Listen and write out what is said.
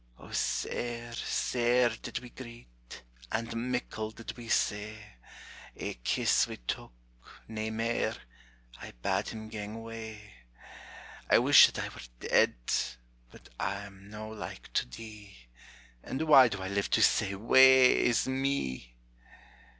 O sair, sair did we greet, and mickle did we say: Ae kiss we took nae mair I bad him gang away. I wish that I were dead, but I'm no like to dee, And why do I live to say, Wae is me!